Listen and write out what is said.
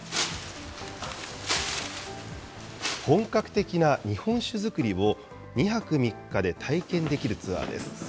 本格的な日本酒造りを、２泊３日で体験できるツアーです。